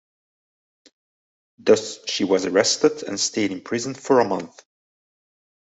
Thus, she was arrested and stayed in prison for a month.